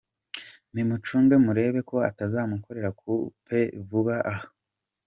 Nimucunge murebe ko atazamukorera coup vuba aha.